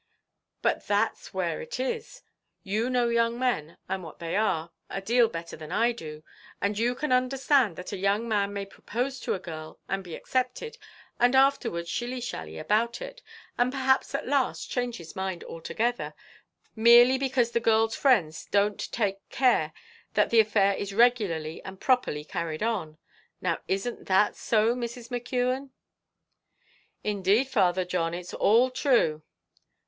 "But that's where it is; you know young men, and what they are, a deal better than I do; and you can understand that a young man may propose to a girl, and be accepted, and afterwards shilly shally about it, and perhaps at last change his mind altogether merely because the girl's friends don't take care that the affair is regularly and properly carried on; now isn't that so, Mrs. McKeon?" "Indeed, Father John, it's all true."